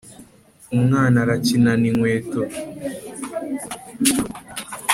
umwana arakinana inkweto